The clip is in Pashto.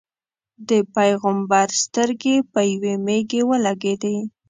د پېغمبر سترګې په یوې مېږې ولګېدې.